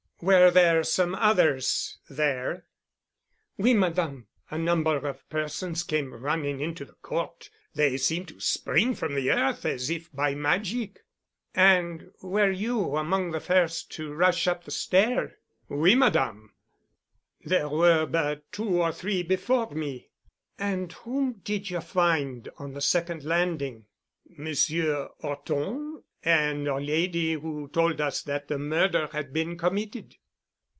"Were there some others there?" "Oui, Madame. A number of persons came running into the court. They seemed to spring from the earth as if by magic." "And were you among the first to rush up the stair?" "Oui, Madame. There were but two or three before me." "And whom did you find on the second landing?" "Monsieur 'Orton and a lady who told us that a murder had been committed."